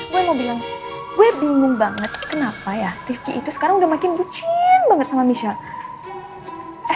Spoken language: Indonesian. gue mau bilang gue bingung banget kenapa ya tiffnya itu sekarang udah makin lucchin banget sama michelle